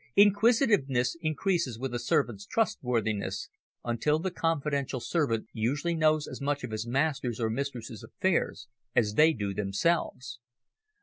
Inquisitiveness increases with a servant's trustworthiness, until the confidential servant usually knows as much of his master's or mistress' affairs as they do themselves.